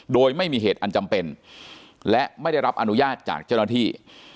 โดยไม่มีเหตุอันจำเป็นและไม่ได้รับอนุญาตจากเจ้าหน้าที่